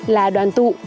là đoàn tụ